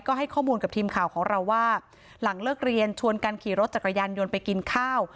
ก็ให้ข้อมูลกับทีมข่าวของเราว่าหลังเลิกเรียนชวนกันขี่รถจักรยานยนต์ไปกินข้าว